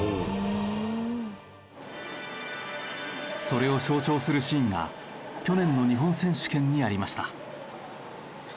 それを象徴するシーンが去年の日本選手権にありました。